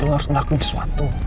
lo harus ngelakuin sesuatu